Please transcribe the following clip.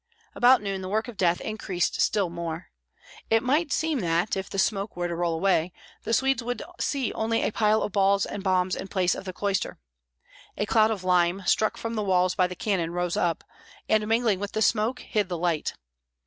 About noon the work of death increased still more. It might seem that, if the smoke were to roll away, the Swedes would see only a pile of balls and bombs in place of the cloister. A cloud of lime, struck from the walls by the cannon, rose up, and mingling with the smoke, hid the light.